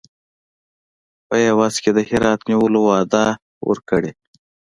په عوض کې د هرات نیولو وعده ورکړي.